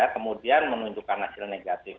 kemudian menunjukkan hasil negatif